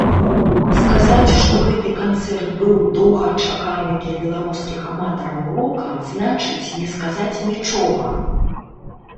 Сказаць, што гэты канцэрт быў доўгачаканы для беларускіх аматараў рока, значыць не сказаць нічога.